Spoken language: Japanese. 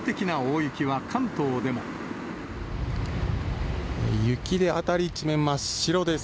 雪で辺り一面、真っ白です。